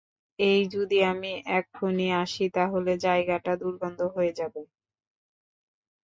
এই, যদি আমি এক্ষুণি আসি তাহলে জায়গাটা দুর্গন্ধ হয়ে যাবে।